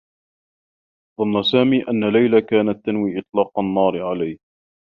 ظنّ سامي أنّ ليلى كانت تنوي إطلاق النّار عليه.